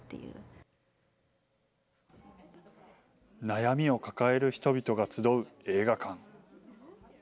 悩みを抱える人々が集う映画館。